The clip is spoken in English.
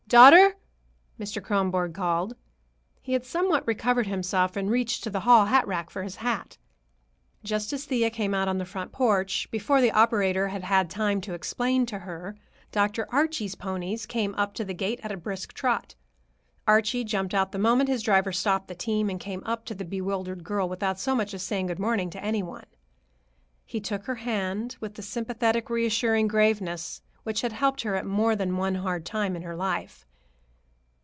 Daughter," Mr. Kronborg called. He had somewhat recovered himself and reached to the hall hatrack for his hat. Just as Thea came out on the front porch, before the operator had had time to explain to her, Dr. Archie's ponies came up to the gate at a brisk trot. Archie jumped out the moment his driver stopped the team and came up to the bewildered girl without so much as saying good morning to any one. He took her hand with the sympathetic, reassuring graveness which had helped her at more than one hard time in her life.